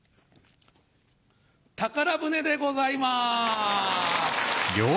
宝船でございます。